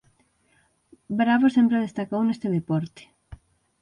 Bravo sempre destacou neste deporte.